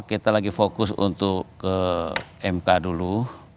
masuk ke mk dulu